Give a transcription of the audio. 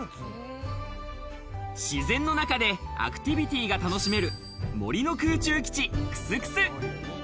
自然の中でアクティビティが楽しめる森の空中基地くすくす。